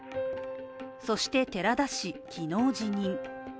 そして寺田氏、昨日辞任。